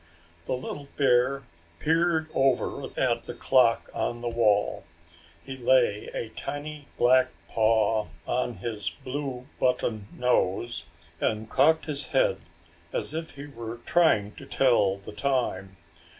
The little bear peered over at the clock on the wall. He lay a tiny black paw on his blue button nose and cocked his head as if he were trying to tell the time.